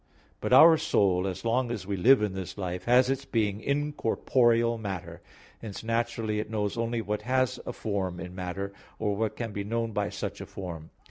But our soul, as long as we live in this life, has its being in corporeal matter; hence naturally it knows only what has a form in matter, or what can be known by such a form.